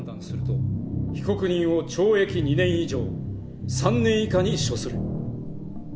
被告人を懲役２年以上３年以下に処する。